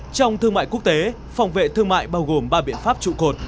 trong thương mại quốc tế phòng vệ thương mại bao gồm ba biện pháp trụ cột